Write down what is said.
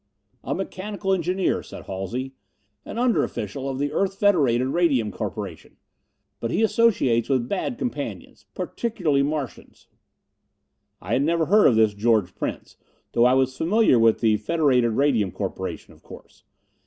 "A mechanical engineer," said Halsey. "An under official of the Earth Federated Radium Corporation. But he associates with bad companions particularly Martians." I had never heard of this George Prince, though I was familiar with the Federated Radium Corporation, of course.